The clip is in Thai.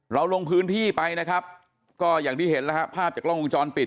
ลงพื้นที่ไปนะครับก็อย่างที่เห็นแล้วฮะภาพจากกล้องวงจรปิด